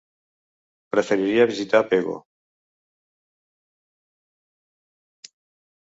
Preferiria visitar Pego.